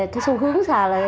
thế xu hướng xài là